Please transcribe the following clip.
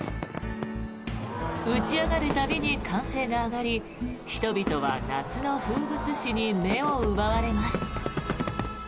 打ち上がる度に歓声が上がり人々は夏の風物詩に目を奪われます。